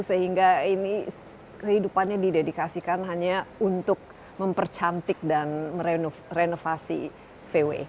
sehingga ini kehidupannya didedikasikan hanya untuk mempercantik dan merenovasi vw